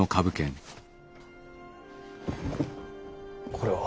これは。